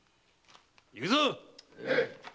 行くぞ！